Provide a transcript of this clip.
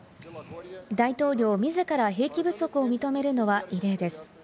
大統領自ら兵器不足を認めるのは異例です。